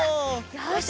よし。